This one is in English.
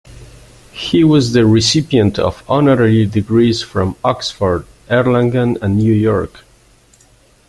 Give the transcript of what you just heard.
He was the recipient of honorary degrees from Oxford, Erlangen, and New York.